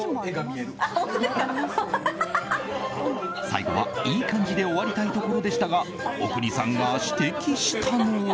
最後は、いい感じで終わりたいところでしたが阿国さんが指摘したのは。